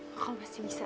kok lo masih bisa